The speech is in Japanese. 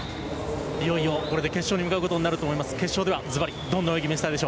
いよいよ、これで決勝に向かうことになると思います。